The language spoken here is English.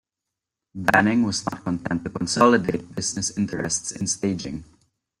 Banning was not content to consolidate business interests in staging.